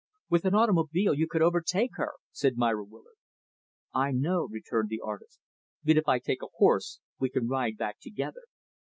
"With an automobile you could overtake her," said Myra Willard. "I know," returned the artist, "but if I take a horse, we can ride back together."